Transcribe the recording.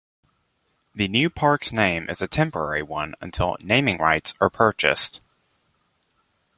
The new park's name is a temporary one until naming rights are purchased.